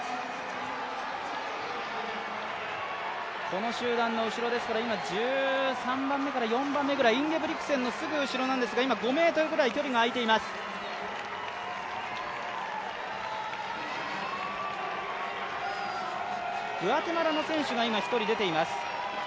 この集団の後ろ、ですから１３番目から１４番目ぐらい、インゲブリクセンのすぐ後ろなんですが、今５ｍくらい距離があいています。